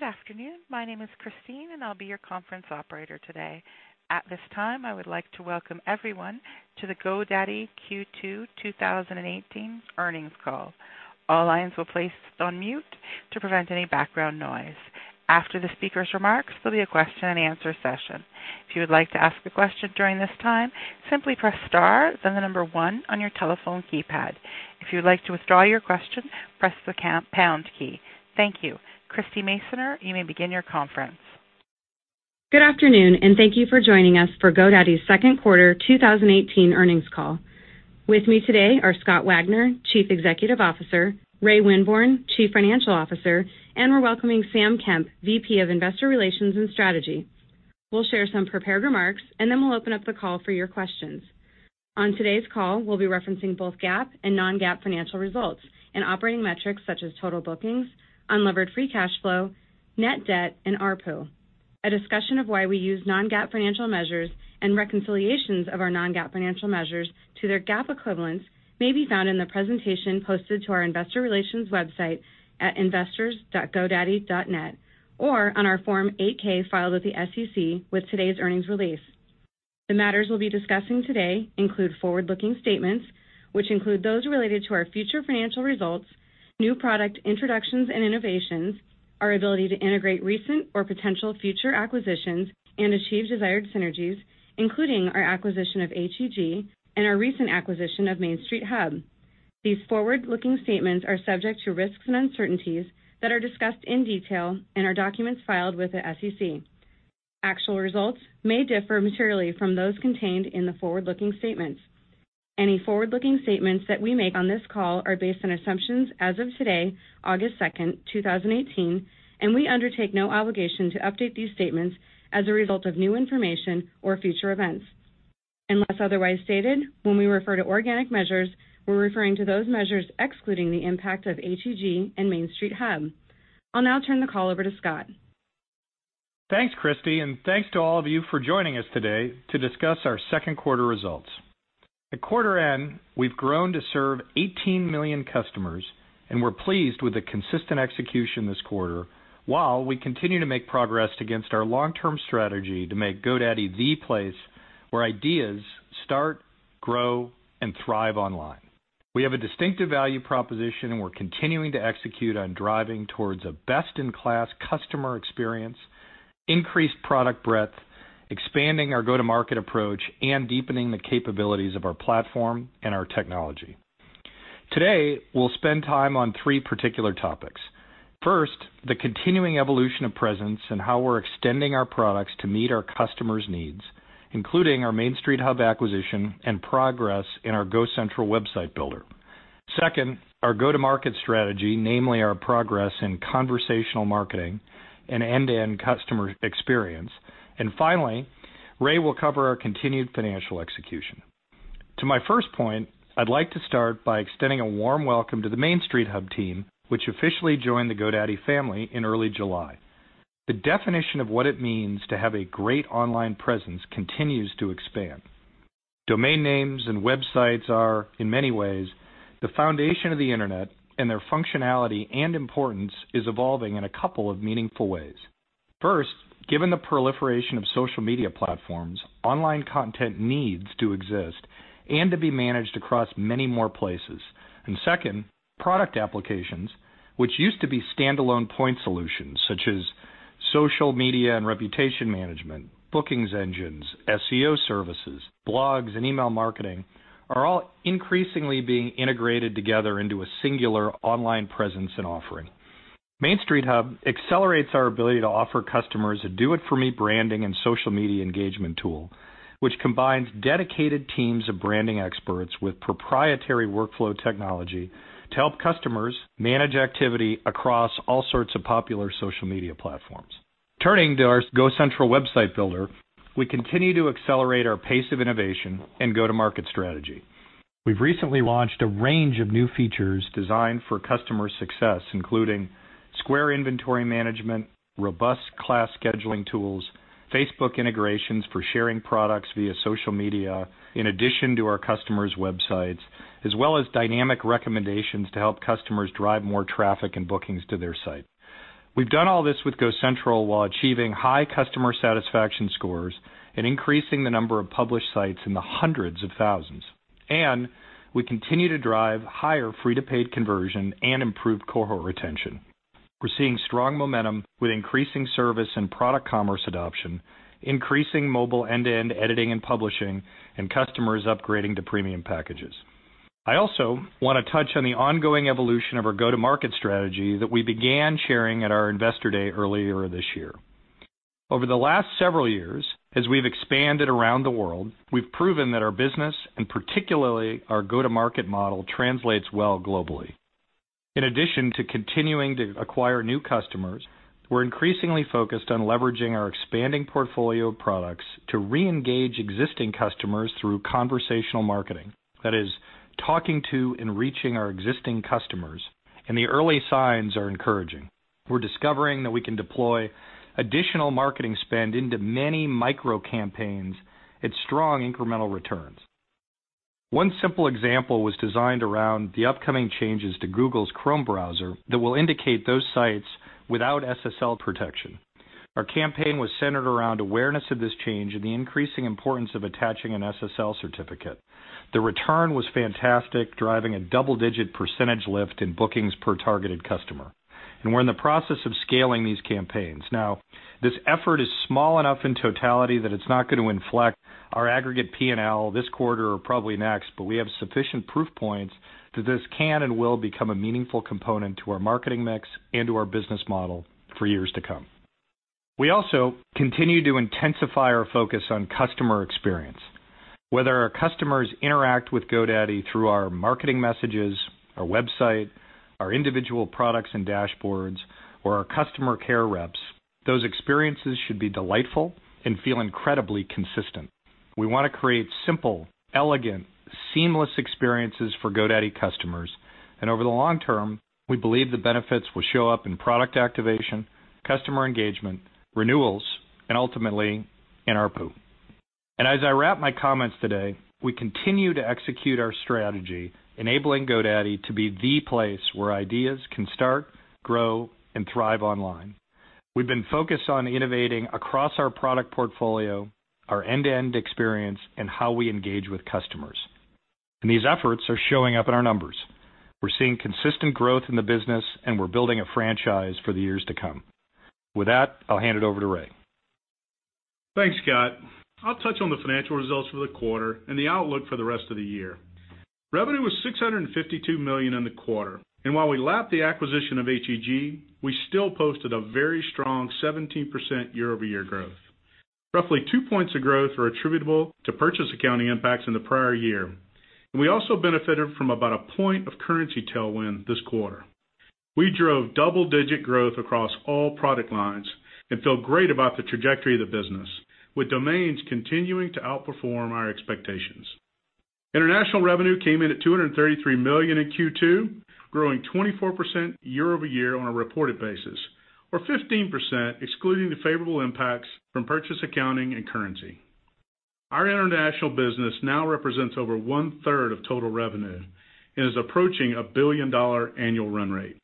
Good afternoon. My name is Christine, and I'll be your conference operator today. At this time, I would like to welcome everyone to the GoDaddy Q2 2018 earnings call. All lines will be placed on mute to prevent any background noise. After the speaker's remarks, there'll be a question and answer session. If you would like to ask a question during this time, simply press star, then the number one on your telephone keypad. If you would like to withdraw your question, press the pound key. Thank you. Christie Masoner, you may begin your conference. Good afternoon. Thank you for joining us for GoDaddy's second quarter 2018 earnings call. With me today are Scott Wagner, Chief Executive Officer, Ray Winborne, Chief Financial Officer, and we're welcoming Sam Kemp, VP of Investor Relations and Strategy. We'll share some prepared remarks. Then we'll open up the call for your questions. On today's call, we'll be referencing both GAAP and non-GAAP financial results and operating metrics such as total bookings, unlevered free cash flow, net debt, and ARPU. A discussion of why we use non-GAAP financial measures and reconciliations of our non-GAAP financial measures to their GAAP equivalents may be found in the presentation posted to our investor relations website at investors.godaddy.net or on our Form 8-K filed with the SEC with today's earnings release. The matters we'll be discussing today include forward-looking statements, which include those related to our future financial results, new product introductions and innovations, our ability to integrate recent or potential future acquisitions and achieve desired synergies, including our acquisition of HEG and our recent acquisition of Main Street Hub. These forward-looking statements are subject to risks and uncertainties that are discussed in detail in our documents filed with the SEC. Actual results may differ materially from those contained in the forward-looking statements. Any forward-looking statements that we make on this call are based on assumptions as of today, August 2nd, 2018. We undertake no obligation to update these statements as a result of new information or future events. Unless otherwise stated, when we refer to organic measures, we're referring to those measures excluding the impact of HEG and Main Street Hub. I'll now turn the call over to Scott. Thanks, Christie. Thanks to all of you for joining us today to discuss our second quarter results. At quarter end, we've grown to serve 18 million customers. We're pleased with the consistent execution this quarter while we continue to make progress against our long-term strategy to make GoDaddy the place where ideas start, grow, and thrive online. We have a distinctive value proposition. We're continuing to execute on driving towards a best-in-class customer experience, increased product breadth, expanding our go-to-market approach, and deepening the capabilities of our platform and our technology. Today, we'll spend time on three particular topics. First, the continuing evolution of presence and how we're extending our products to meet our customers' needs, including our Main Street Hub acquisition and progress in our GoCentral website builder. Second, our go-to-market strategy, namely our progress in conversational marketing and end-to-end customer experience. Ray will cover our continued financial execution. To my first point, I'd like to start by extending a warm welcome to the Main Street Hub team, which officially joined the GoDaddy family in early July. The definition of what it means to have a great online presence continues to expand. Domain names and websites are, in many ways, the foundation of the internet, and their functionality and importance is evolving in a couple of meaningful ways. First, given the proliferation of social media platforms, online content needs to exist and to be managed across many more places. Second, product applications, which used to be standalone point solutions such as social media and reputation management, bookings engines, SEO services, blogs, and email marketing, are all increasingly being integrated together into a singular online presence and offering. Main Street Hub accelerates our ability to offer customers a do-it-for-me branding and social media engagement tool, which combines dedicated teams of branding experts with proprietary workflow technology to help customers manage activity across all sorts of popular social media platforms. Turning to our GoCentral website builder, we continue to accelerate our pace of innovation and go-to-market strategy. We've recently launched a range of new features designed for customer success, including square inventory management, robust class scheduling tools, Facebook integrations for sharing products via social media in addition to our customers' websites, as well as dynamic recommendations to help customers drive more traffic and bookings to their site. We've done all this with GoCentral while achieving high customer satisfaction scores and increasing the number of published sites in the hundreds of thousands. We continue to drive higher free-to-paid conversion and improve cohort retention. We're seeing strong momentum with increasing service and product commerce adoption, increasing mobile end-to-end editing and publishing, and customers upgrading to premium packages. I also want to touch on the ongoing evolution of our go-to-market strategy that we began sharing at our investor day earlier this year. Over the last several years, as we've expanded around the world, we've proven that our business, and particularly our go-to-market model, translates well globally. In addition to continuing to acquire new customers, we're increasingly focused on leveraging our expanding portfolio of products to re-engage existing customers through conversational marketing. That is, talking to and reaching our existing customers, and the early signs are encouraging. We're discovering that we can deploy additional marketing spend into many micro campaigns at strong incremental returns. One simple example was designed around the upcoming changes to Google's Chrome browser that will indicate those sites without SSL protection. Our campaign was centered around awareness of this change and the increasing importance of attaching an SSL certificate. The return was fantastic, driving a double-digit percentage lift in bookings per targeted customer. We're in the process of scaling these campaigns. This effort is small enough in totality that it's not going to inflect our aggregate P&L this quarter or probably next, but we have sufficient proof points that this can and will become a meaningful component to our marketing mix and to our business model for years to come. We also continue to intensify our focus on customer experience. Whether our customers interact with GoDaddy through our marketing messages, our website, our individual products and dashboards, or our customer care reps, those experiences should be delightful and feel incredibly consistent. We want to create simple, elegant, seamless experiences for GoDaddy customers. Over the long term, we believe the benefits will show up in product activation, customer engagement, renewals, and ultimately, in ARPU. As I wrap my comments today, we continue to execute our strategy, enabling GoDaddy to be the place where ideas can start, grow, and thrive online. We've been focused on innovating across our product portfolio, our end-to-end experience, and how we engage with customers. These efforts are showing up in our numbers. We're seeing consistent growth in the business. We're building a franchise for the years to come. With that, I'll hand it over to Ray. Thanks, Scott. I'll touch on the financial results for the quarter and the outlook for the rest of the year. Revenue was $652 million in the quarter. While we lapped the acquisition of HEG, we still posted a very strong 17% year-over-year growth. Roughly 2 points of growth are attributable to purchase accounting impacts in the prior year. We also benefited from about 1 point of currency tailwind this quarter. We drove double-digit growth across all product lines and feel great about the trajectory of the business, with domains continuing to outperform our expectations. International revenue came in at $233 million in Q2, growing 24% year-over-year on a reported basis or 15% excluding the favorable impacts from purchase accounting and currency. Our international business now represents over one-third of total revenue and is approaching a billion-dollar annual run rate.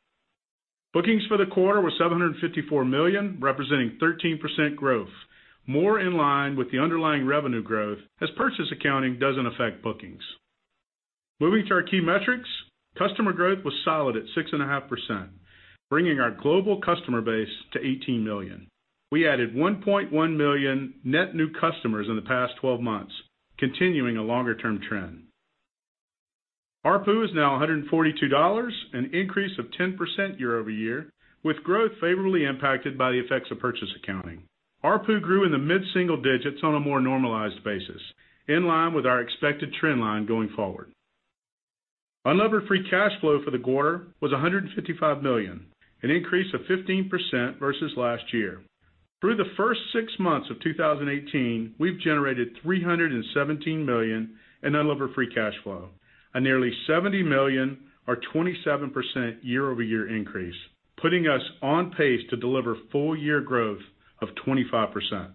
Bookings for the quarter were $754 million, representing 13% growth, more in line with the underlying revenue growth as purchase accounting doesn't affect bookings. Moving to our key metrics, customer growth was solid at 6.5%, bringing our global customer base to 18 million. We added 1.1 million net new customers in the past 12 months, continuing a longer-term trend. ARPU is now $142, an increase of 10% year-over-year, with growth favorably impacted by the effects of purchase accounting. ARPU grew in the mid-single digits on a more normalized basis, in line with our expected trend line going forward. Unlevered free cash flow for the quarter was $155 million, an increase of 15% versus last year. Through the first 6 months of 2018, we've generated $317 million in unlevered free cash flow, a nearly $70 million or 27% year-over-year increase, putting us on pace to deliver full-year growth of 25%.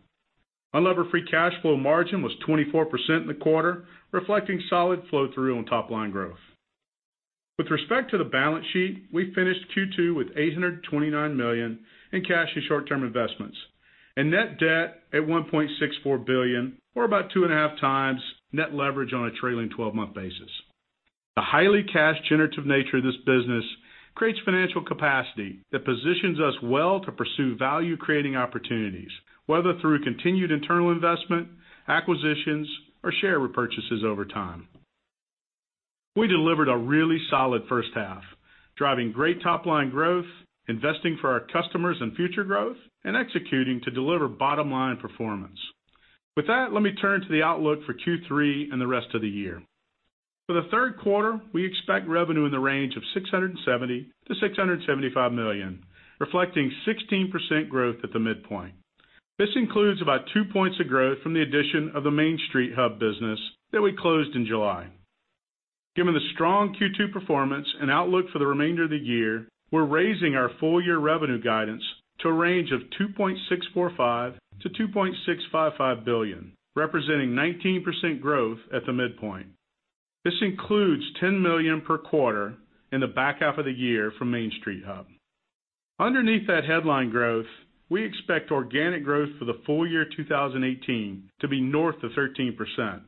Unlevered free cash flow margin was 24% in the quarter, reflecting solid flow-through on top-line growth. With respect to the balance sheet, we finished Q2 with $829 million in cash and short-term investments and net debt at $1.64 billion, or about 2.5 times net leverage on a trailing 12-month basis. The highly cash-generative nature of this business creates financial capacity that positions us well to pursue value-creating opportunities, whether through continued internal investment, acquisitions, or share repurchases over time. We delivered a really solid first half, driving great top-line growth, investing for our customers and future growth, executing to deliver bottom-line performance. With that, let me turn to the outlook for Q3 and the rest of the year. For the third quarter, we expect revenue in the range of $670 million-$675 million, reflecting 16% growth at the midpoint. This includes about two points of growth from the addition of the Main Street Hub business that we closed in July. Given the strong Q2 performance and outlook for the remainder of the year, we're raising our full-year revenue guidance to a range of $2.645 billion-$2.655 billion, representing 19% growth at the midpoint. This includes $10 million per quarter in the back half of the year from Main Street Hub. Underneath that headline growth, we expect organic growth for the full year 2018 to be north of 13%,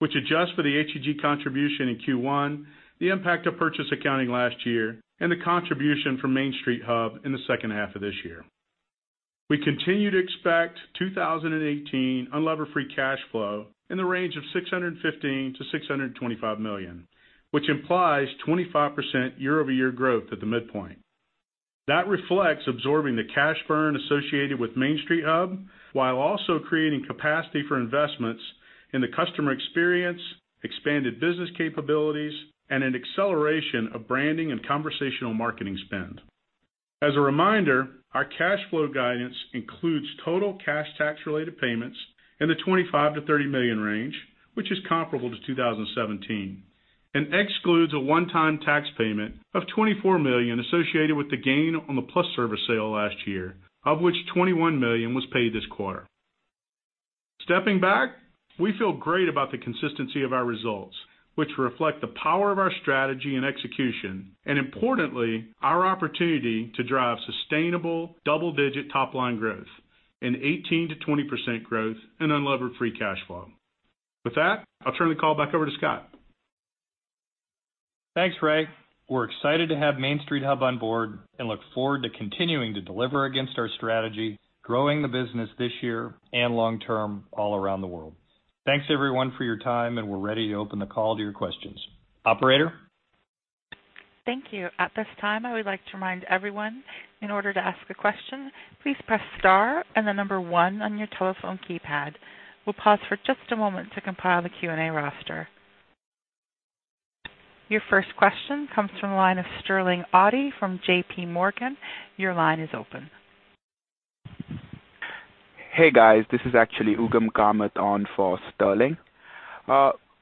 which adjusts for the HEG contribution in Q1, the impact of purchase accounting last year, and the contribution from Main Street Hub in the second half of this year. We continue to expect 2018 unlevered free cash flow in the range of $615 million-$625 million, which implies 25% year-over-year growth at the midpoint. That reflects absorbing the cash burn associated with Main Street Hub while also creating capacity for investments in the customer experience, expanded business capabilities, and an acceleration of branding and conversational marketing spend. As a reminder, our cash flow guidance includes total cash tax-related payments in the $25 million-$30 million range, which is comparable to 2017. Excludes a one-time tax payment of $24 million associated with the gain on the PlusServer sale last year, of which $21 million was paid this quarter. Stepping back, we feel great about the consistency of our results, which reflect the power of our strategy and execution, and importantly, our opportunity to drive sustainable double-digit top-line growth and 18%-20% growth in unlevered free cash flow. With that, I'll turn the call back over to Scott. Thanks, Ray. We're excited to have Main Street Hub on board and look forward to continuing to deliver against our strategy, growing the business this year and long term all around the world. Thanks everyone for your time, and we're ready to open the call to your questions. Operator? Thank you. At this time, I would like to remind everyone, in order to ask a question, please press star and the number one on your telephone keypad. We'll pause for just a moment to compile the Q&A roster. Your first question comes from the line of Sterling Auty from J.P. Morgan. Your line is open. Hey, guys, this is actually Ugam Kamat on for Sterling.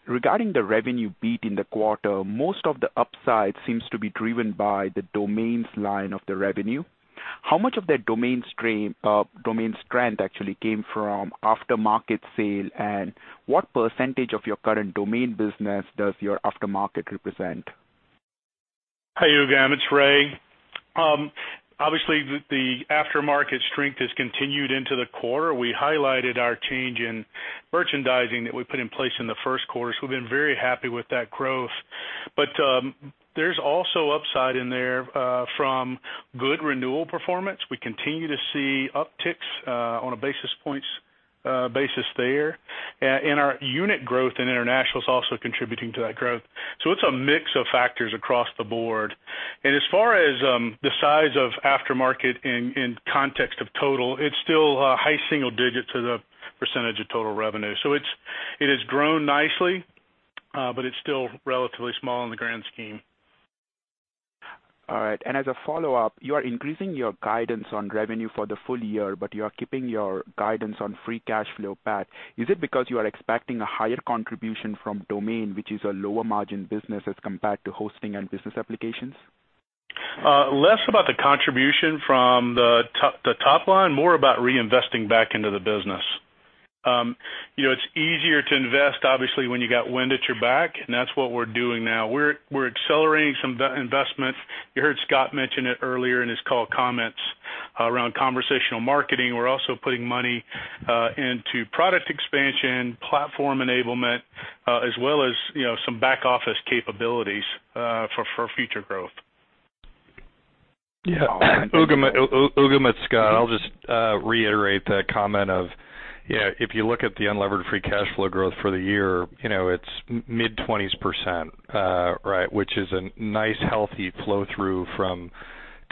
Regarding the revenue beat in the quarter, most of the upside seems to be driven by the domains line of the revenue. How much of that domain strength actually came from after-market sale, and what percentage of your current domain business does your after-market represent? Hey, Ugam, it's Ray. Obviously, the after-market strength has continued into the quarter. We highlighted our change in merchandising that we put in place in the first quarter, so we've been very happy with that growth. There's also upside in there from good renewal performance. We continue to see upticks on a basis points basis there. Our unit growth in international is also contributing to that growth. It's a mix of factors across the board. As far as the size of after-market in context of total, it's still high single digits as a percentage of total revenue. It has grown nicely, but it's still relatively small in the grand scheme. All right. As a follow-up, you are increasing your guidance on revenue for the full year, but you are keeping your guidance on free cash flow pat. Is it because you are expecting a higher contribution from domain, which is a lower margin business as compared to hosting and business applications? Less about the contribution from the top line, more about reinvesting back into the business. It's easier to invest, obviously, when you got wind at your back, and that's what we're doing now. We're accelerating some investments. You heard Scott mention it earlier in his call comments around conversational marketing. We're also putting money into product expansion, platform enablement, as well as some back-office capabilities for future growth. All right. Thank you. Ugam, it's Scott. I'll just reiterate that comment of, if you look at the unlevered free cash flow growth for the year, it's mid-20s%. Which is a nice healthy flow-through from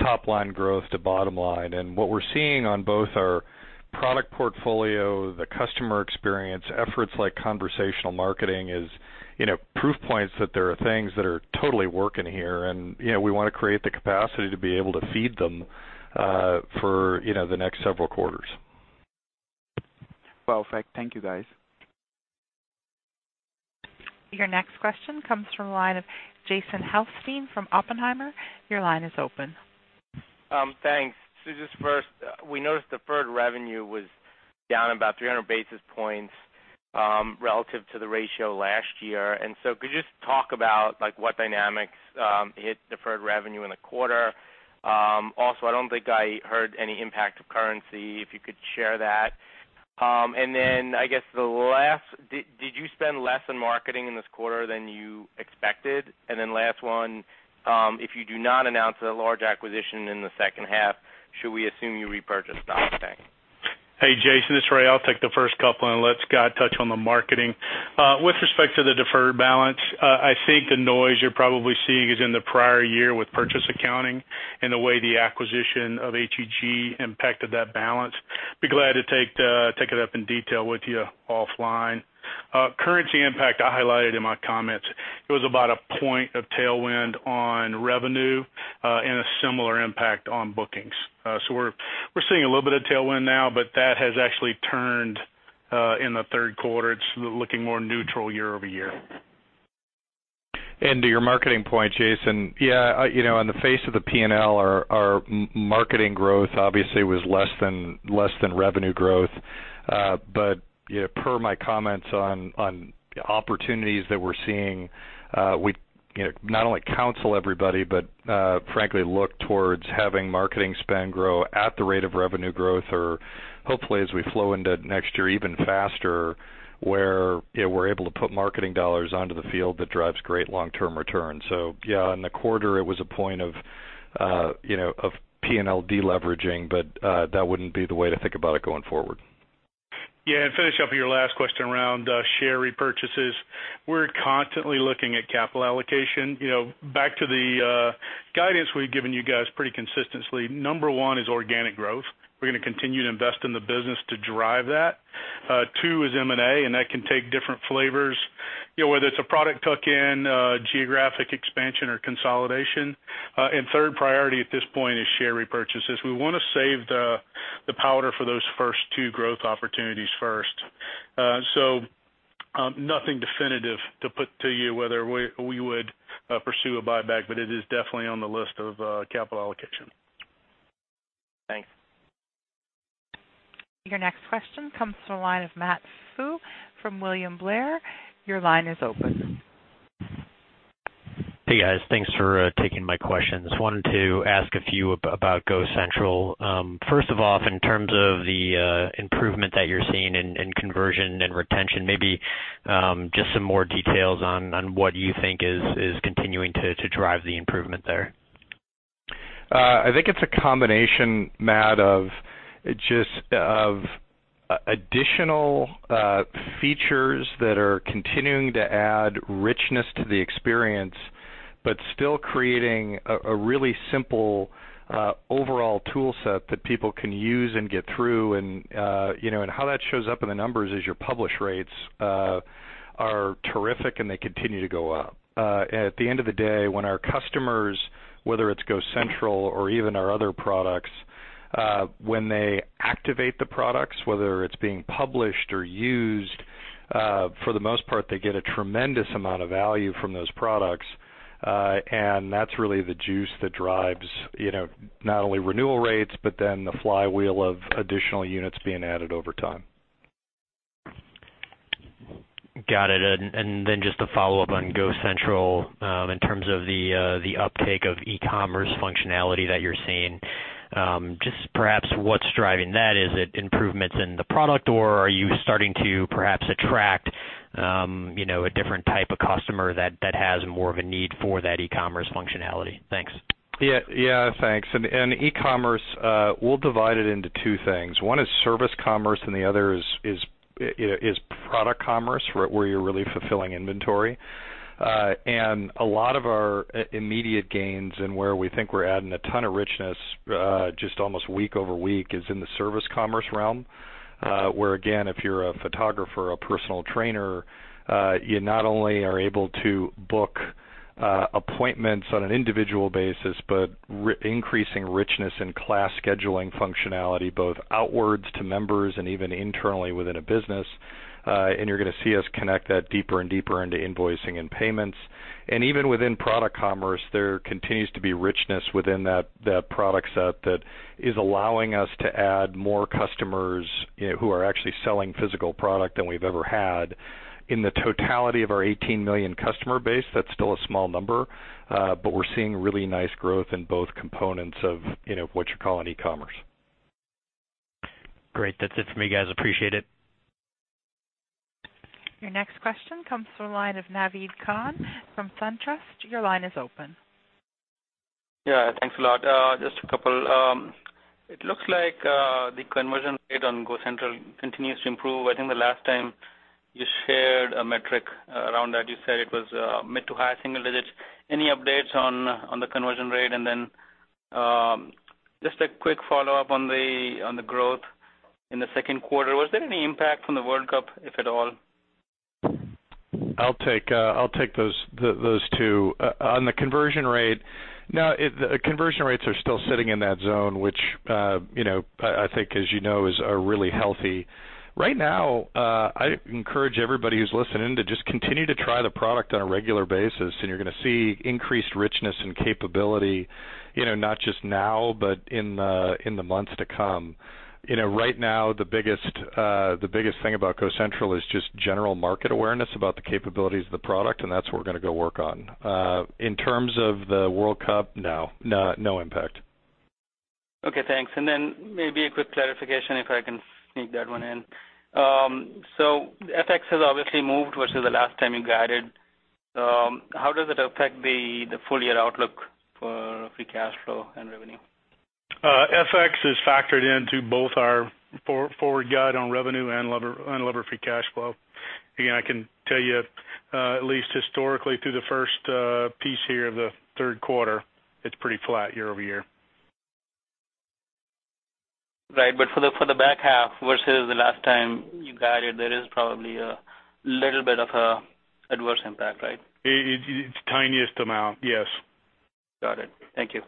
top-line growth to bottom line. What we're seeing on both our product portfolio, the customer experience, efforts like conversational marketing is proof points that there are things that are totally working here, and we want to create the capacity to be able to feed them for the next several quarters. Perfect. Thank you, guys. Your next question comes from the line of Jason Helfstein from Oppenheimer. Your line is open. Thanks. Just first, we noticed deferred revenue was down about 300 basis points relative to the ratio last year. Could you just talk about what dynamics hit deferred revenue in the quarter? Also, I don't think I heard any impact of currency, if you could share that. I guess the last, did you spend less on marketing in this quarter than you expected? Last one, if you do not announce a large acquisition in the second half, should we assume you repurchased stock? Hey, Jason, it's Ray. I'll take the first couple and let Scott touch on the marketing. With respect to the deferred balance, I think the noise you're probably seeing is in the prior year with purchase accounting and the way the acquisition of HEG impacted that balance. Be glad to take it up in detail with you offline. Currency impact, I highlighted in my comments. It was about a point of tailwind on revenue and a similar impact on bookings. We're seeing a little bit of tailwind now, but that has actually turned in the third quarter. It's looking more neutral year-over-year. To your marketing point, Jason, yeah, on the face of the P&L, our marketing growth obviously was less than revenue growth. Per my comments on opportunities that we're seeing, we not only counsel everybody, but frankly look towards having marketing spend grow at the rate of revenue growth or hopefully as we flow into next year, even faster, where we're able to put marketing dollars onto the field that drives great long-term returns. Yeah, in the quarter, it was a point of P&L deleveraging, but that wouldn't be the way to think about it going forward. Yeah, finish up your last question around share repurchases. We're constantly looking at capital allocation. Back to the guidance we've given you guys pretty consistently, number 1 is organic growth. We're gonna continue to invest in the business to drive that. 2 is M&A, that can take different flavors, whether it's a product tuck-in, geographic expansion, or consolidation. 3rd priority at this point is share repurchases. We want to save the powder for those first 2 growth opportunities first. Nothing definitive to put to you whether we would pursue a buyback, but it is definitely on the list of capital allocation. Thanks. Your next question comes from the line of Matt Pfau from William Blair. Your line is open. Hey, guys. Thanks for taking my questions. First off, in terms of the improvement that you're seeing in conversion and retention, maybe just some more details on what you think is continuing to drive the improvement there. I think it's a combination, Matt, of additional features that are continuing to add richness to the experience, but still creating a really simple overall tool set that people can use and get through. How that shows up in the numbers is your publish rates are terrific, and they continue to go up. At the end of the day, when our customers, whether it's GoCentral or even our other products, when they activate the products, whether it's being published or used, for the most part, they get a tremendous amount of value from those products. That's really the juice that drives not only renewal rates, but then the flywheel of additional units being added over time. Got it. Then just a follow-up on GoCentral, in terms of the uptake of e-commerce functionality that you're seeing, just perhaps what's driving that. Is it improvements in the product, or are you starting to perhaps attract a different type of customer that has more of a need for that e-commerce functionality? Thanks. Thanks. E-commerce, we'll divide it into two things. One is service commerce, and the other is product commerce, where you're really fulfilling inventory. A lot of our immediate gains and where we think we're adding a ton of richness, just almost week-over-week, is in the service commerce realm. Where again, if you're a photographer, a personal trainer, you not only are able to book appointments on an individual basis, but increasing richness in class scheduling functionality, both outwards to members and even internally within a business. You're going to see us connect that deeper and deeper into invoicing and payments. Even within product commerce, there continues to be richness within that product set that is allowing us to add more customers who are actually selling physical product than we've ever had. In the totality of our 18 million customer base, that's still a small number. We're seeing really nice growth in both components of what you're calling e-commerce. Great. That's it from me, guys. Appreciate it. Your next question comes from the line of Naved Khan from SunTrust. Your line is open. Yeah, thanks a lot. Just a couple. It looks like the conversion rate on GoCentral continues to improve. I think the last time you shared a metric around that, you said it was mid to high single digits. Any updates on the conversion rate? Just a quick follow-up on the growth in the second quarter. Was there any impact from the World Cup, if at all? I'll take those two. On the conversion rate, conversion rates are still sitting in that zone, which I think as you know, is really healthy. Right now, I encourage everybody who's listening to just continue to try the product on a regular basis, and you're gonna see increased richness and capability, not just now, but in the months to come. Right now, the biggest thing about GoCentral is just general market awareness about the capabilities of the product, and that's what we're gonna go work on. In terms of the World Cup, no. No impact. Okay, thanks. Maybe a quick clarification if I can sneak that one in. FX has obviously moved versus the last time you guided. How does it affect the full year outlook for free cash flow and revenue? FX is factored into both our forward guide on revenue and unlevered free cash flow. Again, I can tell you, at least historically, through the first piece here of the third quarter, it's pretty flat year-over-year. Right. For the back half versus the last time you guided, there is probably a little bit of a adverse impact, right? It's tiniest amount. Yes. Got it. Thank you.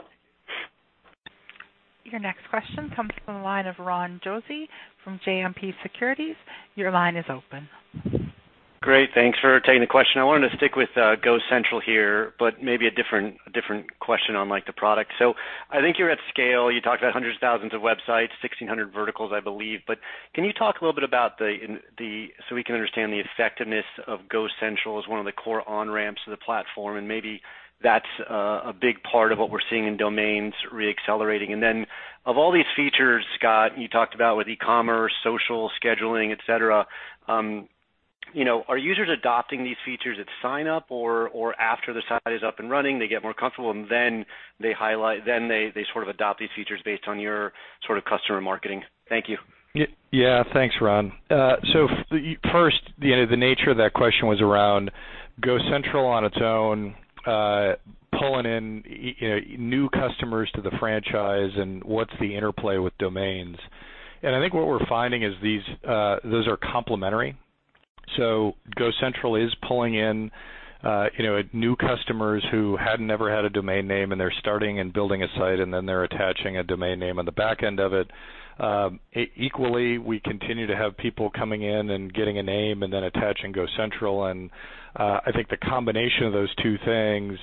Your next question comes from the line of Ron Josey from JMP Securities. Your line is open. Great. Thanks for taking the question. I wanted to stick with GoCentral here, maybe a different question on the product. I think you're at scale. You talked about hundreds of thousands of websites, 1,600 verticals, I believe. Can you talk a little bit about the, so we can understand the effectiveness of GoCentral as one of the core on-ramps to the platform, maybe that's a big part of what we're seeing in domains re-accelerating. Of all these features, Scott, you talked about with e-commerce, social, scheduling, et cetera, are users adopting these features at sign up or after the site is up and running, they get more comfortable, and then they sort of adopt these features based on your customer marketing? Thank you. Yeah. Thanks, Ron. First, the nature of that question was around GoCentral on its own, pulling in new customers to the franchise, and what's the interplay with domains. I think what we're finding is those are complementary, so GoCentral is pulling in new customers who had never had a domain name, and they're starting and building a site, and then they're attaching a domain name on the back end of it. Equally, we continue to have people coming in and getting a name and then attaching GoCentral, I think the combination of those two things,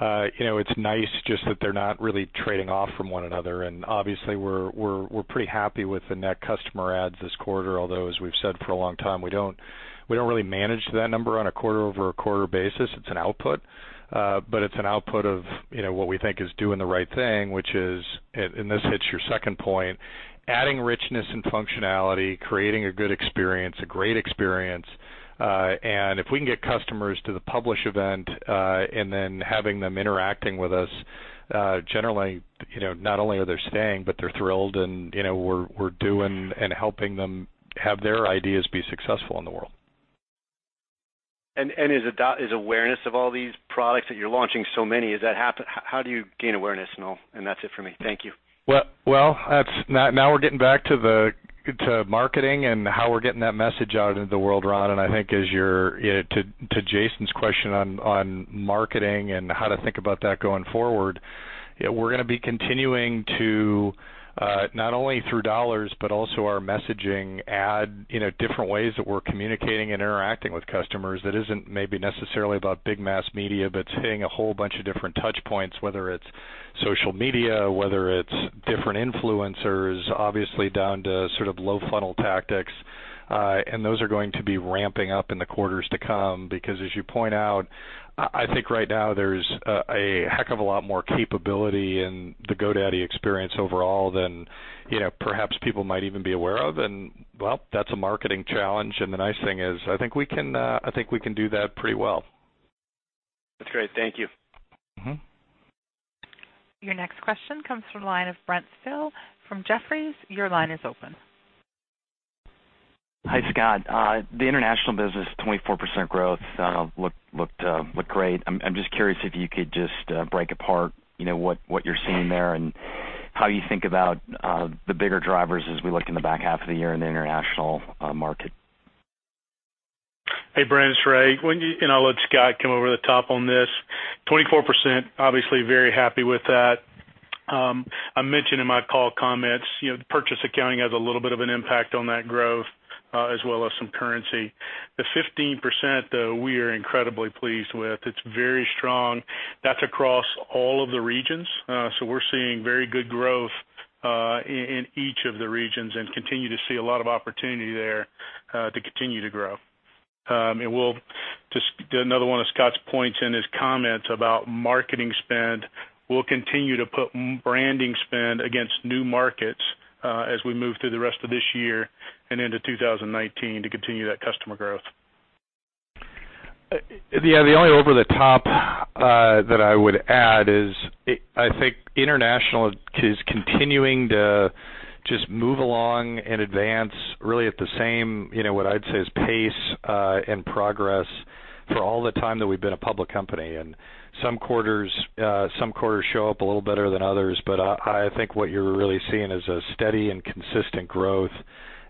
it's nice just that they're not really trading off from one another. Obviously, we're pretty happy with the net customer adds this quarter, although, as we've said for a long time, we don't really manage that number on a quarter-over-quarter basis. It's an output. It's an output of what we think is doing the right thing, which is, this hits your second point, adding richness and functionality, creating a good experience, a great experience. If we can get customers to the publish event, then having them interacting with us, generally, not only are they staying, but they're thrilled, and we're doing and helping them have their ideas be successful in the world. Is awareness of all these products that you're launching, so many, how do you gain awareness and all? That's it for me. Thank you. Well, now we're getting back to marketing and how we're getting that message out into the world, Ron, and I think to Jason's question on marketing and how to think about that going forward, we're going to be continuing to, not only through dollars, but also our messaging, add different ways that we're communicating and interacting with customers that isn't maybe necessarily about big mass media, but it's hitting a whole bunch of different touch points, whether it's social media, whether it's different influencers, obviously down to sort of low-funnel tactics. Those are going to be ramping up in the quarters to come, because, as you point out, I think right now there's a heck of a lot more capability in the GoDaddy experience overall than perhaps people might even be aware of. Well, that's a marketing challenge, and the nice thing is, I think we can do that pretty well. That's great. Thank you. Your next question comes from the line of Brent Thill from Jefferies. Your line is open. Hi, Scott. The international business, 24% growth, looked great. I'm just curious if you could just break apart what you're seeing there and how you think about the bigger drivers as we look in the back half of the year in the international market. Hey, Brent, it's Ray. I'll let Scott come over the top on this. 24%, obviously very happy with that. I mentioned in my call comments, the purchase accounting has a little bit of an impact on that growth, as well as some currency. The 15%, though, we are incredibly pleased with. It's very strong. That's across all of the regions. We're seeing very good growth, in each of the regions and continue to see a lot of opportunity there, to continue to grow. To another one of Scott's points in his comments about marketing spend, we'll continue to put branding spend against new markets, as we move through the rest of this year and into 2019 to continue that customer growth. Yeah, the only over the top that I would add is, I think international is continuing to just move along and advance really at the same, what I'd say, is pace, and progress for all the time that we've been a public company. Some quarters show up a little better than others, I think what you're really seeing is a steady and consistent growth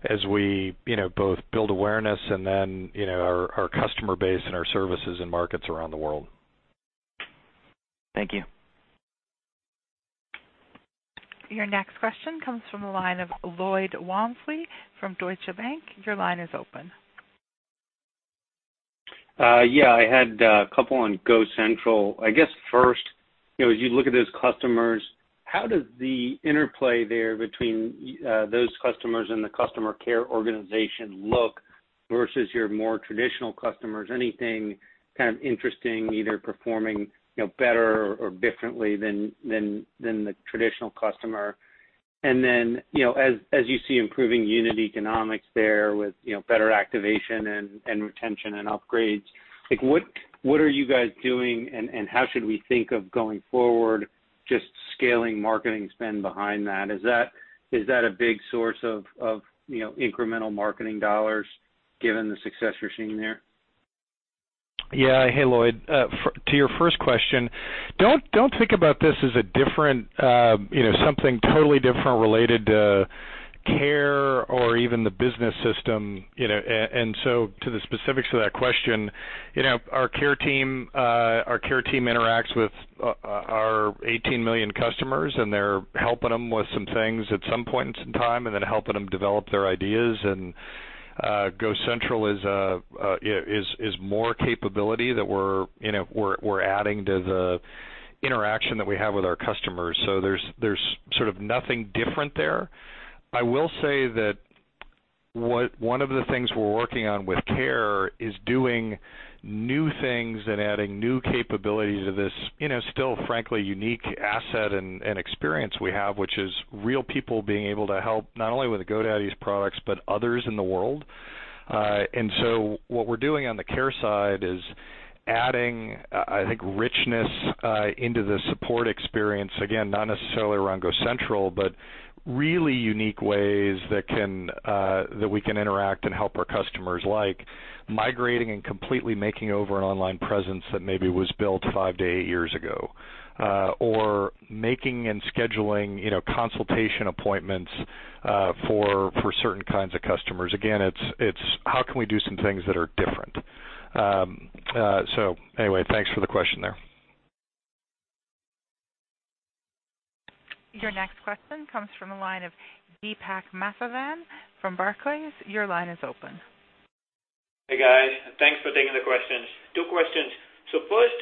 as we both build awareness and then our customer base and our services and markets around the world. Thank you. Your next question comes from the line of Lloyd Walmsley from Deutsche Bank. Your line is open. Yeah, I had a couple on GoCentral. I guess first, as you look at those customers, how does the interplay there between those customers and the customer care organization look versus your more traditional customers? Anything kind of interesting, either performing better or differently than the traditional customer? Then, as you see improving unit economics there with better activation and retention and upgrades, what are you guys doing, and how should we think of going forward, just scaling marketing spend behind that? Is that a big source of incremental marketing dollars given the success you're seeing there? Yeah. Hey, Lloyd. To your first question, don't think about this as something totally different related to care or even the business system. To the specifics of that question, our care team interacts with our 18 million customers, and they're helping them with some things at some points in time and then helping them develop their ideas. GoCentral is more capability that we're adding to the interaction that we have with our customers. There's sort of nothing different there. I will say that one of the things we're working on with care is doing new things and adding new capabilities of this still, frankly, unique asset and experience we have, which is real people being able to help, not only with GoDaddy's products, but others in the world. What we're doing on the care side is adding, I think, richness into the support experience. Again, not necessarily around GoCentral, but really unique ways that we can interact and help our customers, like migrating and completely making over an online presence that maybe was built five to eight years ago, or making and scheduling consultation appointments for certain kinds of customers. Again, it's how can we do some things that are different? Anyway, thanks for the question there. Your next question comes from the line of Deepak Mathivanan from Barclays. Your line is open. Hey, guys. Thanks for taking the questions. Two questions. First,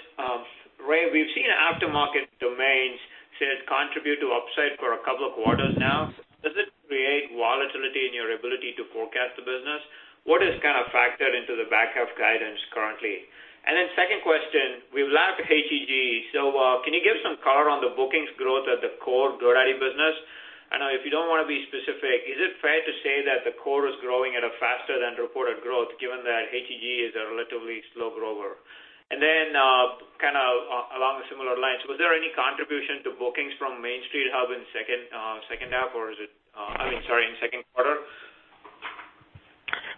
Ray, we've seen aftermarket domains to contribute to upside for a couple of quarters now. Does it create volatility in your ability to forecast the business? What is kind of factored into the back half guidance currently? Second question, we've lapped HEG, so can you give some color on the bookings growth at the core GoDaddy business? I know if you don't want to be specific, is it fair to say that the core is growing at a faster than reported growth given that HEG is a relatively slow grower? Kind of along similar lines, was there any contribution to bookings from Main Street Hub in second half, or I mean, sorry, in second quarter?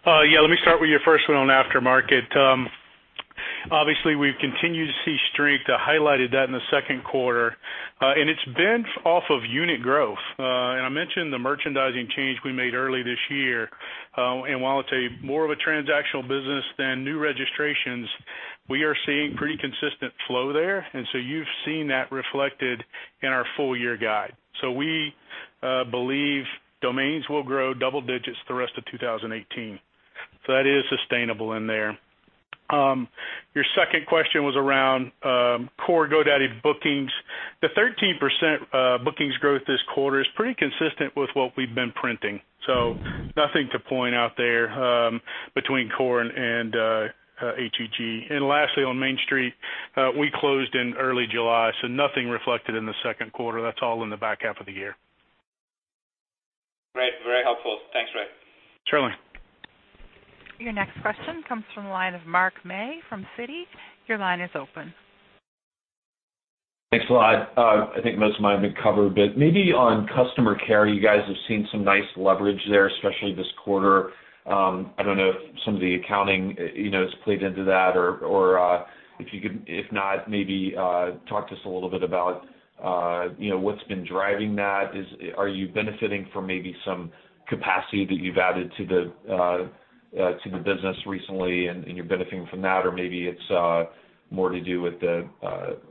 Yeah, let me start with your first one on aftermarket. Obviously, we've continued to see strength. I highlighted that in the second quarter. It's been off of unit growth. I mentioned the merchandising change we made early this year. While it's a more of a transactional business than new registrations, we are seeing pretty consistent flow there. You've seen that reflected in our full year guide. We believe domains will grow double digits the rest of 2018. That is sustainable in there. Your second question was around core GoDaddy bookings. The 13% bookings growth this quarter is pretty consistent with what we've been printing, so nothing to point out there between core and HEG. Lastly, on Main Street, we closed in early July, so nothing reflected in the second quarter. That's all in the back half of the year. Great. Very helpful. Thanks, Ray. Sure. Your next question comes from the line of Mark May from Citi. Your line is open. Thanks a lot. I think most of mine have been covered, maybe on customer care, you guys have seen some nice leverage there, especially this quarter. I don't know if some of the accounting has played into that or if you could, if not, maybe talk to us a little bit about what's been driving that. Are you benefiting from maybe some capacity that you've added to the business recently and you're benefiting from that? Or maybe it's more to do with the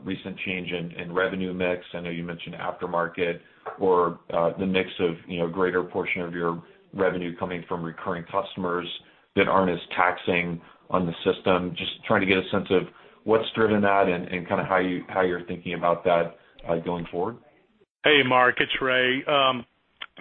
recent change in revenue mix. I know you mentioned aftermarket or the mix of greater portion of your revenue coming from recurring customers that aren't as taxing on the system. Just trying to get a sense of what's driven that and kind of how you're thinking about that going forward. Hey, Mark, it's Ray.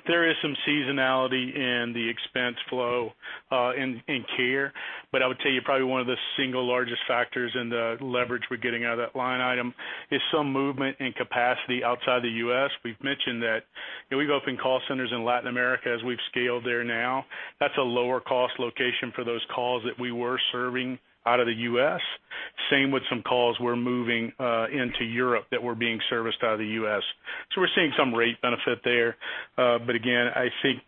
There is some seasonality in the expense flow in care, I would tell you probably one of the single largest factors in the leverage we're getting out of that line item is some movement in capacity outside the U.S. We've mentioned that we've opened call centers in Latin America as we've scaled there now. That's a lower cost location for those calls that we were serving out of the U.S. Same with some calls we're moving into Europe that were being serviced out of the U.S. We're seeing some rate benefit there. Again, I think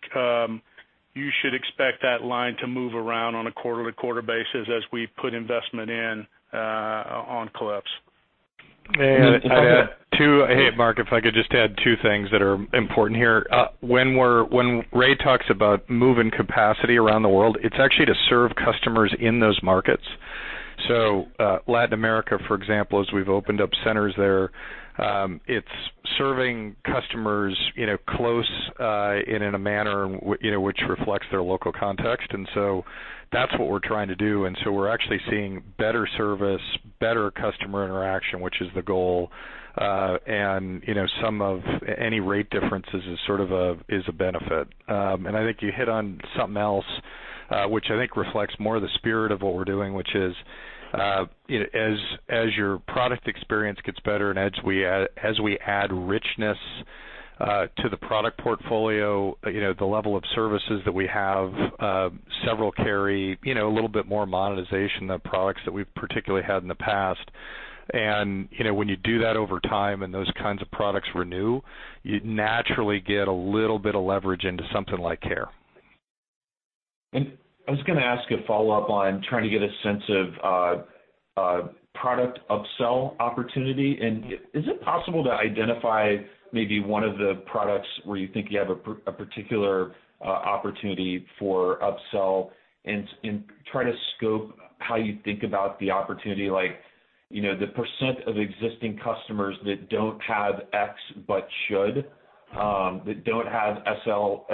you should expect that line to move around on a quarter-to-quarter basis as we put investment in on calls. Hey, Mark, if I could just add two things that are important here. When Ray talks about moving capacity around the world, it's actually to serve customers in those markets. Latin America, for example, as we've opened up centers there, it's serving customers close and in a manner which reflects their local context, that's what we're trying to do. We're actually seeing better service, better customer interaction, which is the goal. Some of any rate differences is a benefit. I think you hit on something else, which I think reflects more the spirit of what we're doing, which is, as your product experience gets better and as we add richness to the product portfolio, the level of services that we have, several carry a little bit more monetization of products than we've particularly had in the past. When you do that over time and those kinds of products renew, you naturally get a little bit of leverage into something like care. I was going to ask a follow-up on trying to get a sense of product upsell opportunity. Is it possible to identify maybe one of the products where you think you have a particular opportunity for upsell and try to scope how you think about the opportunity? Like, the % of existing customers that don't have X but should, that don't have SSL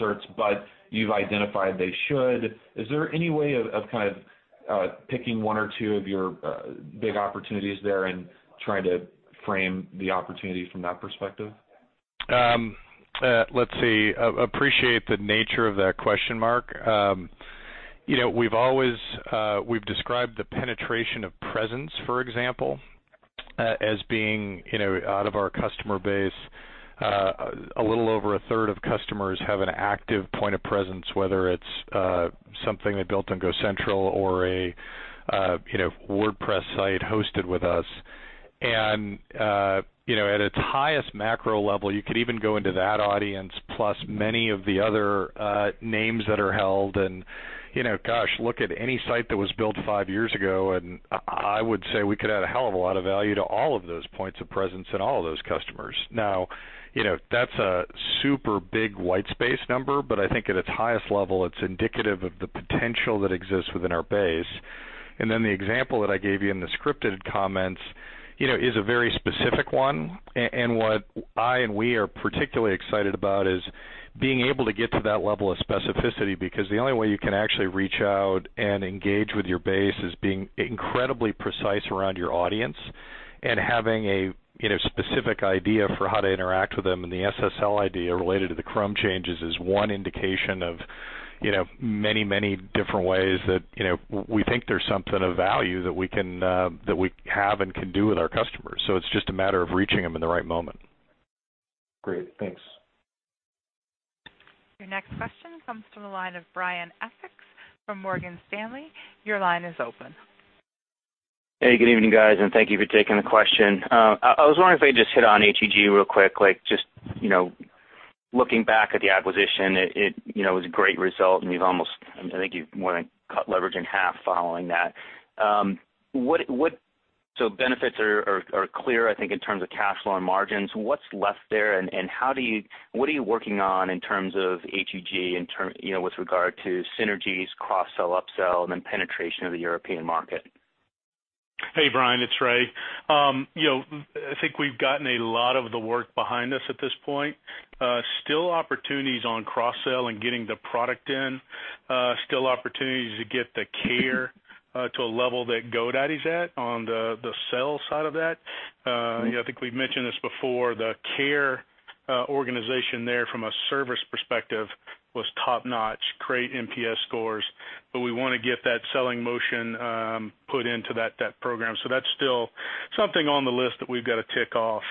certs, but you've identified they should. Is there any way of kind of picking one or two of your big opportunities there and trying to frame the opportunity from that perspective? Let's see. Appreciate the nature of that question, Mark. We've described the penetration of presence, for example, as being out of our customer base. A little over a third of customers have an active point of presence, whether it's something they built on GoCentral or a WordPress site hosted with us. At its highest macro level, you could even go into that audience plus many of the other names that are held and, gosh, look at any site that was built five years ago, and I would say we could add a hell of a lot of value to all of those points of presence and all of those customers. That's a super big white space number, but I think at its highest level, it's indicative of the potential that exists within our base. The example that I gave you in the scripted comments is a very specific one. What I and we are particularly excited about is being able to get to that level of specificity, because the only way you can actually reach out and engage with your base is being incredibly precise around your audience and having a specific idea for how to interact with them. The SSL idea related to the Chrome changes is one indication of many different ways that we think there's something of value that we have and can do with our customers. It's just a matter of reaching them in the right moment. Great. Thanks. Your next question comes from the line of Brian Essex from Morgan Stanley. Your line is open. Hey, good evening, guys, and thank you for taking the question. I was wondering if I could just hit on HEG real quick. Just looking back at the acquisition, it was a great result, and I think you've more than cut leverage in half following that. Benefits are clear, I think, in terms of cash flow and margins. What's left there, and what are you working on in terms of HEG with regard to synergies, cross-sell, up-sell, and then penetration of the European market? Hey, Brian, it's Ray. I think we've gotten a lot of the work behind us at this point. Still opportunities on cross-sell and getting the product in. Still opportunities to get the care to a level that GoDaddy is at on the sell side of that. I think we've mentioned this before, the care organization there from a service perspective was top-notch. Great NPS scores. We want to get that selling motion put into that program. That's still something on the list that we've got to tick off.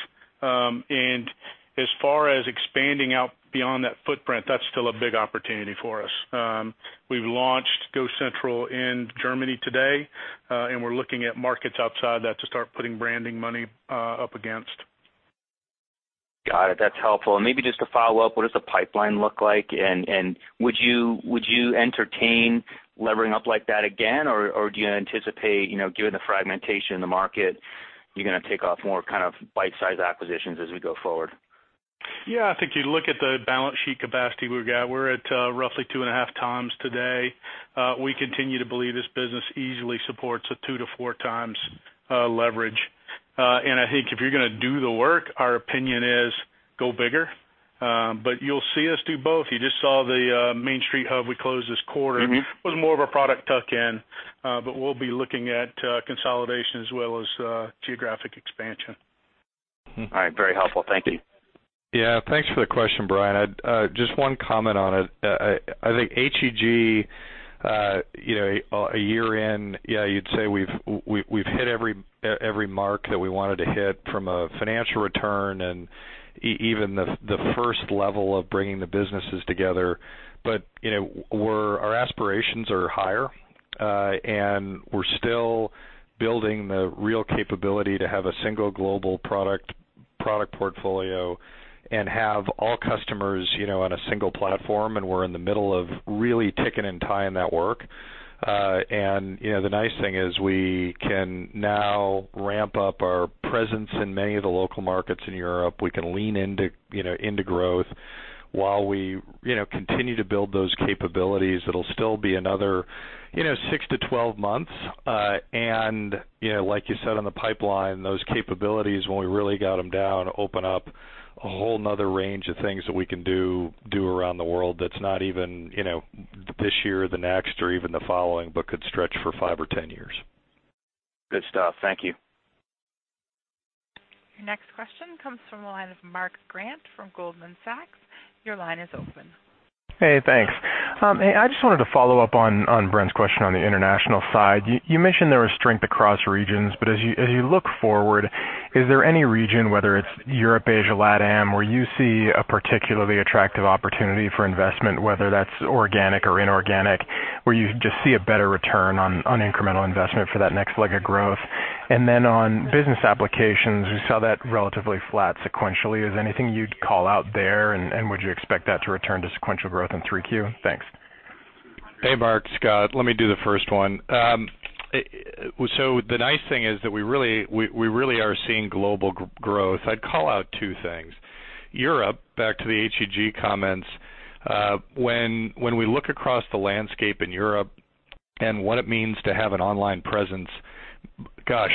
As far as expanding out beyond that footprint, that's still a big opportunity for us. We've launched GoCentral in Germany today, and we're looking at markets outside that to start putting branding money up against. Got it. That's helpful. Maybe just to follow up, what does the pipeline look like? Would you entertain levering up like that again, or do you anticipate, given the fragmentation in the market, you're going to take off more kind of bite-sized acquisitions as we go forward? I think you look at the balance sheet capacity we've got. We're at roughly 2.5 times today. We continue to believe this business easily supports a 2-4 times leverage. I think if you're going to do the work, our opinion is go bigger. You'll see us do both. You just saw the Main Street Hub we closed this quarter. Was more of a product tuck-in. We'll be looking at consolidation as well as geographic expansion. All right. Very helpful. Thank you. Yeah. Thanks for the question, Brian. Just one comment on it. I think HEG, a year in, yeah, you'd say we've hit every mark that we wanted to hit from a financial return and even the first level of bringing the businesses together. Our aspirations are higher, and we're still building the real capability to have a single global product portfolio and have all customers on a single platform, and we're in the middle of really ticking and tying that work. The nice thing is we can now ramp up our presence in many of the local markets in Europe. We can lean into growth while we continue to build those capabilities. It'll still be another six to 12 months. Like you said, on the pipeline, those capabilities, when we really got them down, open up a whole another range of things that we can do around the world that's not even this year, the next, or even the following, but could stretch for five or 10 years. Good stuff. Thank you. Your next question comes from the line of Mark Grant from Goldman Sachs. Your line is open. Hey, thanks. Hey, I just wanted to follow up on Brian's question on the international side. You mentioned there was strength across regions. As you look forward, is there any region, whether it's Europe, Asia, LATAM, where you see a particularly attractive opportunity for investment, whether that's organic or inorganic, where you just see a better return on incremental investment for that next leg of growth? On business applications, we saw that relatively flat sequentially. Is there anything you'd call out there, and would you expect that to return to sequential growth in 3Q? Thanks. Hey, Mark, Scott. Let me do the first one. The nice thing is that we really are seeing global growth. I'd call out two things. Europe, back to the HEG comments. When we look across the landscape in Europe and what it means to have an online presence, gosh,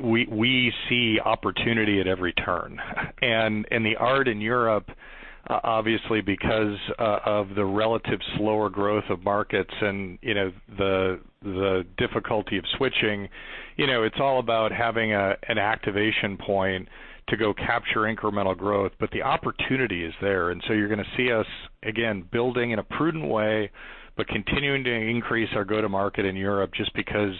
we see opportunity at every turn. The art in Europe, obviously, because of the relative slower growth of markets and the difficulty of switching, it's all about having an activation point to go capture incremental growth, but the opportunity is there. You're going to see us, again, building in a prudent way, but continuing to increase our go-to-market in Europe just because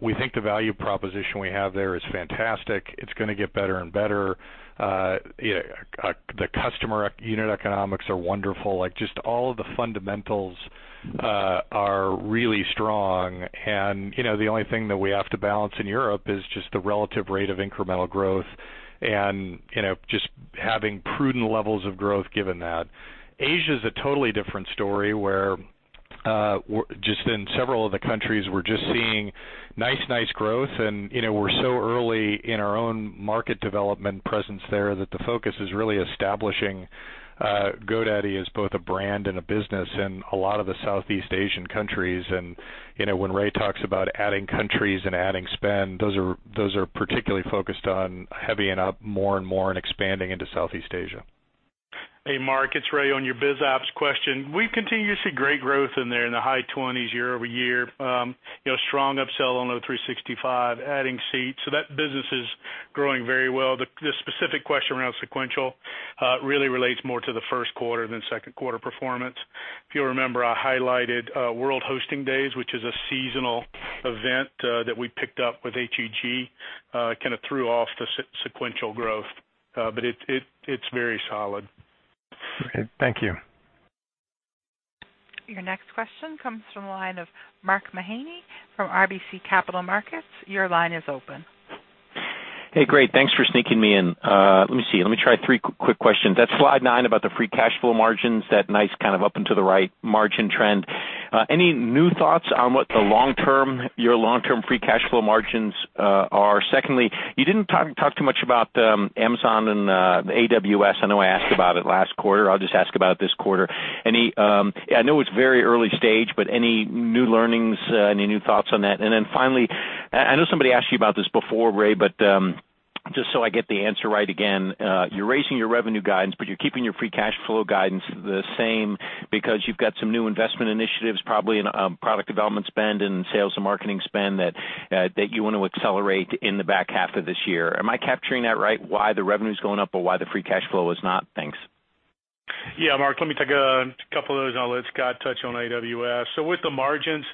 we think the value proposition we have there is fantastic. It's going to get better and better. The customer unit economics are wonderful. Just all of the fundamentals are really strong, and the only thing that we have to balance in Europe is just the relative rate of incremental growth and just having prudent levels of growth given that. Asia is a totally different story, where just in several of the countries, we're just seeing nice growth, and we're so early in our own market development presence there that the focus is really establishing GoDaddy as both a brand and a business in a lot of the Southeast Asian countries. When Ray talks about adding countries and adding spend, those are particularly focused on heavy and up more and more and expanding into Southeast Asia. Hey, Mark, it's Ray on your biz ops question. We continue to see great growth in there, in the high 20s year-over-year. Strong upsell on the 365, adding seats. That business is growing very well. The specific question around sequential really relates more to the first quarter than second quarter performance. If you'll remember, I highlighted World Hosting Days, which is a seasonal event that we picked up with HEG, kind of threw off the sequential growth. It's very solid. Okay, thank you. Your next question comes from the line of Mark Mahaney from RBC Capital Markets. Your line is open. Hey, great. Thanks for sneaking me in. Let me see. Let me try three quick questions. At slide nine about the free cash flow margins, that nice kind of up and to the right margin trend, any new thoughts on what your long-term free cash flow margins are? Secondly, you didn't talk too much about Amazon and AWS. I know I asked about it last quarter. I'll just ask about it this quarter. I know it's very early stage, but any new learnings, any new thoughts on that? Finally, I know somebody asked you about this before, Ray, but just so I get the answer right again, you're raising your revenue guidance, but you're keeping your free cash flow guidance the same because you've got some new investment initiatives, probably in product development spend and sales and marketing spend that you want to accelerate in the back half of this year. Am I capturing that right, why the revenue's going up, but why the free cash flow is not? Thanks. Mark, let me take a couple of those, and I'll let Scott touch on AWS. With the margins,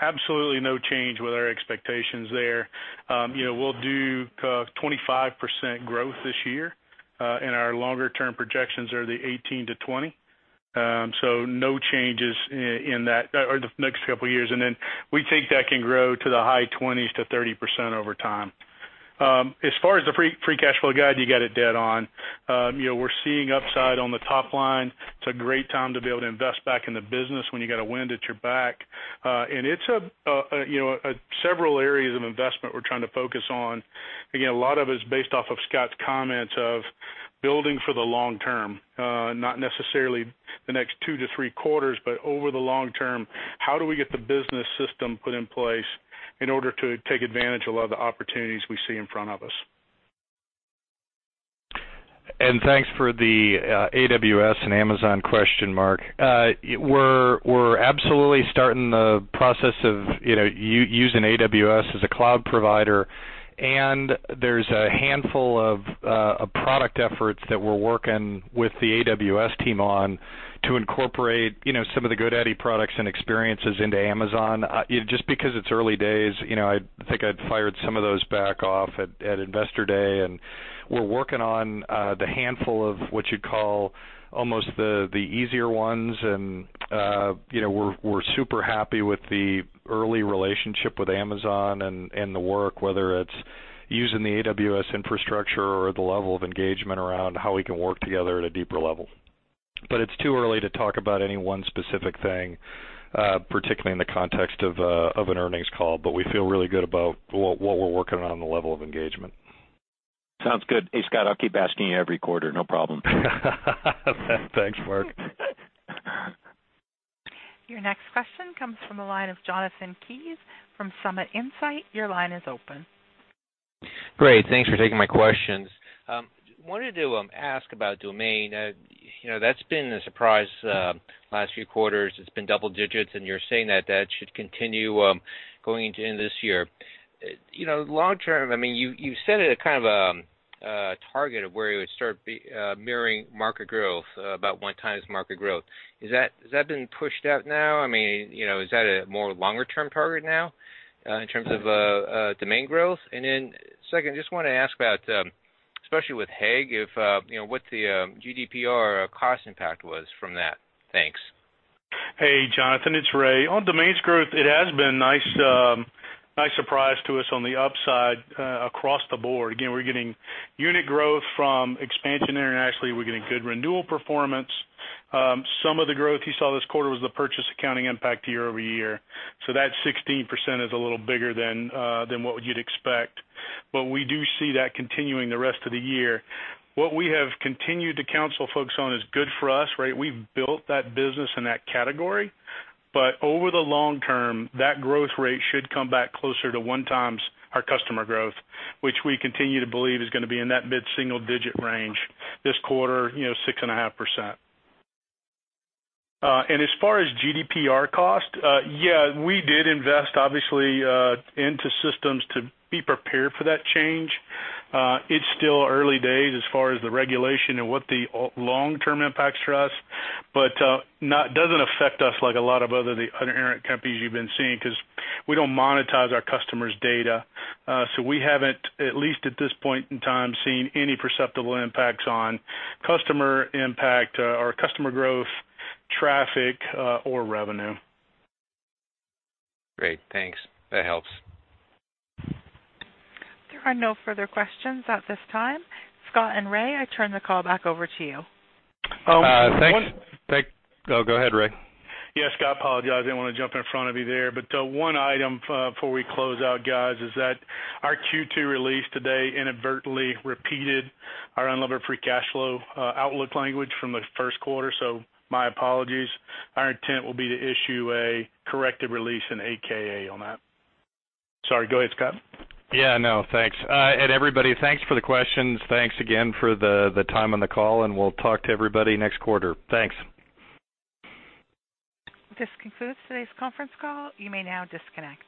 absolutely no change with our expectations there. We'll do 25% growth this year, and our longer-term projections are the 18%-20%. No changes in the next couple of years. Then we think that can grow to the high 20%-30% over time. As far as the free cash flow guide, you got it dead on. We're seeing upside on the top line. It's a great time to be able to invest back in the business when you got a wind at your back. It's several areas of investment we're trying to focus on. Again, a lot of it is based off of Scott's comments of building for the long term, not necessarily the next two to three quarters, but over the long term, how do we get the business system put in place in order to take advantage of a lot of the opportunities we see in front of us. Thanks for the AWS and Amazon question, Mark. We're absolutely starting the process of using AWS as a cloud provider, and there's a handful of product efforts that we're working with the AWS team on to incorporate some of the GoDaddy products and experiences into Amazon. Just because it's early days, I think I'd fired some of those back off at Investor Day, and we're working on the handful of what you'd call almost the easier ones, and we're super happy with the early relationship with Amazon and the work, whether it's using the AWS infrastructure or the level of engagement around how we can work together at a deeper level. It's too early to talk about any one specific thing, particularly in the context of an earnings call. We feel really good about what we're working on and the level of engagement. Sounds good. Hey, Scott, I'll keep asking you every quarter. No problem. Thanks, Mark. Your next question comes from the line of Jonathan Kees from Summit Insights Group. Your line is open. Great. Thanks for taking my questions. Wanted to ask about domain. That's been a surprise last few quarters. It's been double digits, you're saying that that should continue going into the end of this year. Long term, you set it at kind of a target of where you would start mirroring market growth, about one times market growth. Has that been pushed out now? Is that a more longer-term target now in terms of domain growth? Second, just want to ask about, especially with HEG, what the GDPR cost impact was from that. Thanks. Hey, Jonathan, it's Ray. On domains growth, it has been nice surprise to us on the upside across the board. We're getting unit growth from expansion internationally. We're getting good renewal performance. Some of the growth you saw this quarter was the purchase accounting impact year-over-year. That 16% is a little bigger than what you'd expect. We do see that continuing the rest of the year. What we have continued to counsel folks on is good for us. We've built that business and that category, but over the long term, that growth rate should come back closer to one times our customer growth, which we continue to believe is going to be in that mid-single digit range. This quarter, 6.5%. As far as GDPR cost, yeah, we did invest obviously into systems to be prepared for that change. It's still early days as far as the regulation and what the long-term impacts for us, doesn't affect us like a lot of the other internet companies you've been seeing because we don't monetize our customers' data. We haven't, at least at this point in time, seen any perceptible impacts on customer impact or customer growth, traffic, or revenue. Great. Thanks. That helps. There are no further questions at this time. Scott and Ray, I turn the call back over to you. Thanks. Oh, go ahead, Ray. Scott, apologize. I didn't want to jump in front of you there. One item before we close out, guys, is that our Q2 release today inadvertently repeated our unlevered free cash flow outlook language from the first quarter. My apologies. Our intent will be to issue a corrected release in 8-K on that. Sorry, go ahead, Scott. No. Thanks. Everybody, thanks for the questions. Thanks again for the time on the call. We'll talk to everybody next quarter. Thanks. This concludes today's conference call. You may now disconnect.